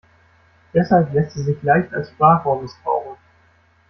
Deshalb lässt sie sich leicht als Sprachrohr missbrauchen.